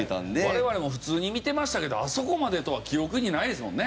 我々も普通に見てましたけどあそこまでとは記憶にないですもんね。